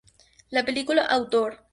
La película "Author!